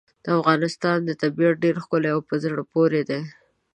د افغانستان طبیعت ډېر ښکلی او په زړه پورې دی.